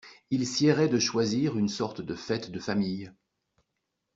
Il siérait de choisir une sorte de fête de famille.